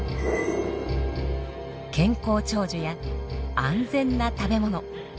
健康長寿や安全な食べ物。